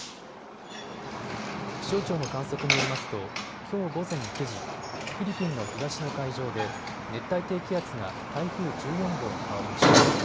気象庁の観測によりますときょう午前９時、フィリピンの東の海上で熱帯低気圧が台風１４号に変わりました。